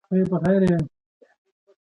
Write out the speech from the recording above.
تا به د خپلو نېکمرغيو په سندرو کې ضرور يادوي.